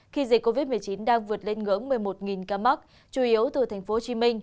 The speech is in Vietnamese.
khi dịch covid một mươi chín đang vượt lên ngưỡng một mươi một ca mắc chủ yếu từ tp hcm